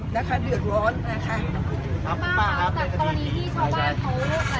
นะคะเดือกร้อนนะคะ